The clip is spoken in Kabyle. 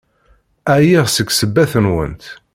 Ɛyiɣ seg ssebbat-nwent!